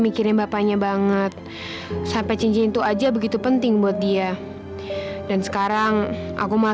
mikirin bapaknya banget sampai cincin itu aja begitu penting buat dia dan sekarang aku malah